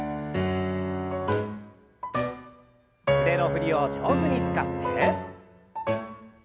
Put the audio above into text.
腕の振りを上手に使って。